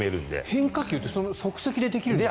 変化球って即席でできるんですか？